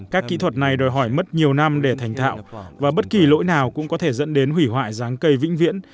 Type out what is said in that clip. các kỹ thuật này đòi hỏi mất nhiều năm để thành thạo và bất kỳ lỗi nào cũng có thể dẫn đến hủy hoại ráng cây vĩnh viễn